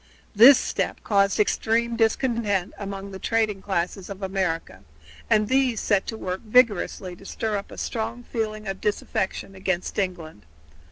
This step caused extreme discontent among the trading classes of America, and these set to work vigorously to stir up a strong feeling of disaffection against England.